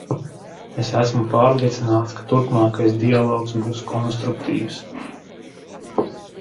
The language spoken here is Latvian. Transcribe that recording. Es esmu pārliecināts, ka turpmākais dialogs būs konstruktīvs.